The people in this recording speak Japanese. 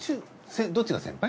どっちが先輩？